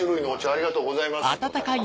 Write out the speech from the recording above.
ありがとうございます。